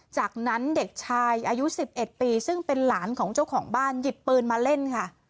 จากนั้นเด็กชายอายุ๑๑ปีซึ่งเป็นหลานของเจ้าของบ้านหยิบปืนมาเล่นค่ะ